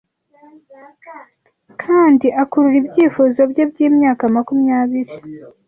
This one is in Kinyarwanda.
kandi akurura ibyifuzo bye byimyaka makumyabiri